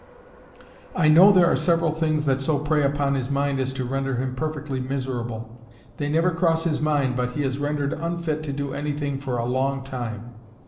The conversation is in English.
"I know there are several things that so prey upon his mind as to render him perfectly miserable. They never cross his mind, but he is rendered unfit to do anything for a long time."